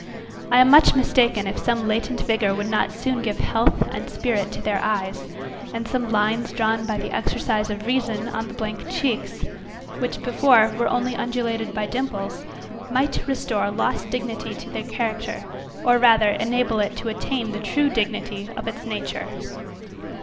I am much mistaken, if some latent vigour would not soon give health and spirit to their eyes, and some lines drawn by the exercise of reason on the blank cheeks, which before were only undulated by dimples, might restore lost dignity to the character, or rather enable it to attain the true dignity of its nature.